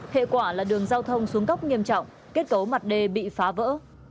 hệ quả là đường giao thông xuống góc nghiêm trọng kết cấu mặt đê bị phá vỡ